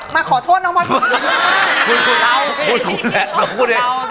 มาขอโทษน้องพลถูกเลย